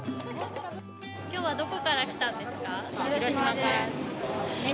きょうはどこから来たんです広島から。